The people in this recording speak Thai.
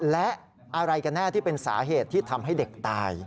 และอะไรกันแน่ที่เป็นสาเหตุที่ทำให้เด็กตาย